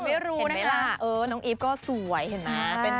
เห็นไหมล่ะเอ้อน้องอีฟก็สวยเห็นมั้ย